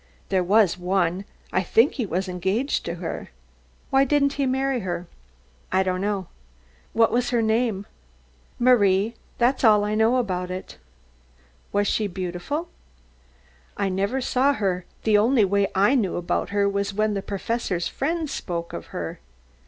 "There was one I think he was engaged to her." "Why didn't he marry her?" "I don't know." "What was her name?" "Marie. That's all I know about it." "Was she beautiful?" "I never saw her. The only way I knew about her was when the Professor's friends spoke of her."